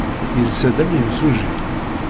Yelsa-d am yimsujji.